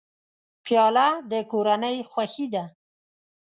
پیاله د کورنۍ خوښي ده.